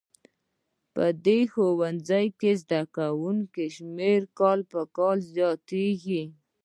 په دې ښوونځي کې د زده کوونکو شمېر کال په کال زیاتیږي